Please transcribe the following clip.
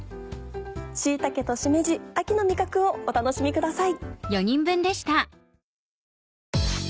椎茸としめじ秋の味覚をお楽しみください。